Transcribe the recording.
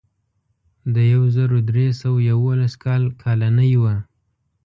د یو زر درې سوه یوولس کال کالنۍ وه.